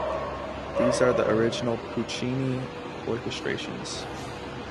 These are the original Puccini orchestrations.